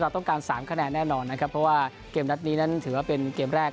ต้องการ๓คะแนนแน่นอนนะครับเพราะว่าเกมนัดนี้นั้นถือว่าเป็นเกมแรก